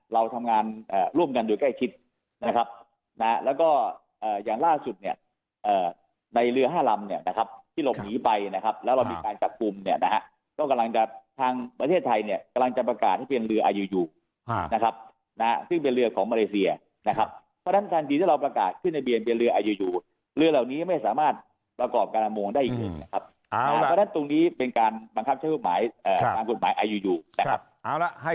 เราทำงานร่วมกันโดยใกล้คิดนะครับแล้วก็อย่างล่าสุดเนี่ยในเรือห้ารำเนี่ยนะครับที่หลบหนีไปนะครับแล้วเรามีการจัดกลุ่มเนี่ยนะครับก็กำลังจะทางประเทศไทยเนี่ยกำลังจะประกาศให้เป็นเรืออายุอยู่นะครับซึ่งเป็นเรือของมาเลเซียนะครับเพราะฉะนั้นทางดีที่เราประกาศขึ้นในเบียนเป็นเรืออายุอยู่เรือเหล่านี้